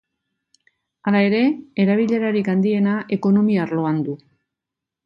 Hala ere, erabilerarik handiena ekonomia arloan du.